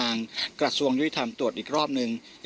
มันไม่ใช่แหละมันไม่ใช่แหละ